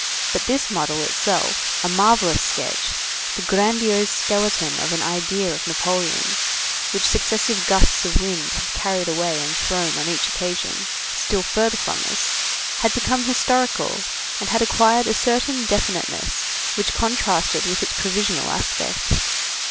But this model itself, a marvellous sketch, the grandiose skeleton of an idea of Napoleon's, which successive gusts of wind have carried away and thrown, on each occasion, still further from us, had become historical and had acquired a certain definiteness which contrasted with its provisional aspect.